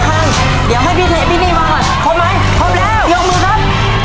ขาดด้วยนะครับขาดกันด้วยนะครับพี่ขวัญได้กี่ไม้แล้ว